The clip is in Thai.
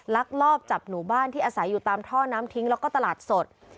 ลักลอบจับหนูบ้านที่อาศัยอยู่ตามท่อน้ำทิ้งแล้วก็ตลาดสด